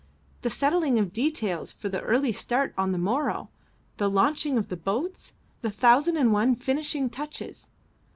The settling of details for the early start on the morrow; the launching of the boats; the thousand and one finishing touches.